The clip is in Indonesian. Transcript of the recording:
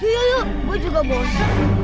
yuk yuk yuk gue juga bos